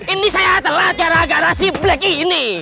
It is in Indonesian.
ini saya telat gara gara si black ini